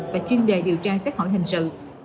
và chuyên đề điều tra xét hỏi hình sự